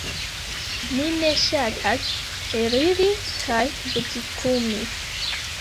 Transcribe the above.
Mi ne ŝatas eliri kaj butikumi